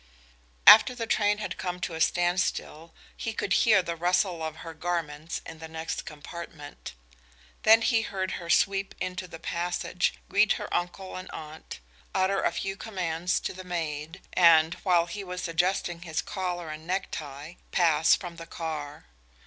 After the train had come to a standstill he could hear the rustle of her garments in the next compartment. Then he heard her sweep into the passage, greet her uncle and aunt, utter a few commands to the maid, and, while he was adjusting his collar and necktie, pass from the car.